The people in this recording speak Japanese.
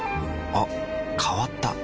あ変わった。